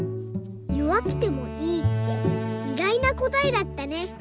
「よわくてもいい」っていがいなこたえだったね。